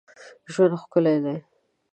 ژوند ښکلی دی